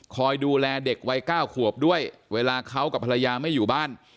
คอยดูแลเด็กวัย๙ขวบด้วยเวลาเขากับภรรยาไม่อยู่บ้าน